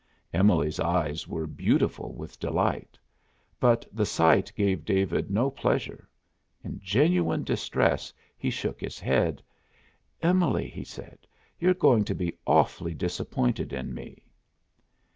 Emily's eyes were beautiful with delight. But the sight gave David no pleasure. In genuine distress, he shook his head. "Emily," he said, "you're going to be awfully disappointed in me."